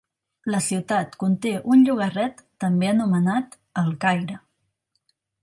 La ciutat conté un llogarret també anomenat El Caire.